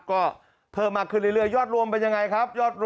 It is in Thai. ก็เพิ่มมากขึ้นเรื่อยยอดรวมเป็นยังไงครับ